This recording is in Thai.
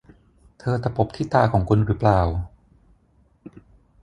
เธอตะปบที่ตาของคุณหรือเปล่า